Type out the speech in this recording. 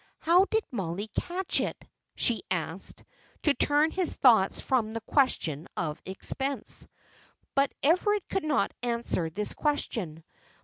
"How did Mollie catch it?" she asked, to turn his thoughts from the question of expense. But Everard could not answer this question.